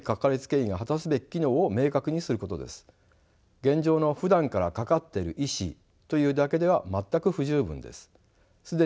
現状のふだんからかかっている医師というだけでは全く不十分です。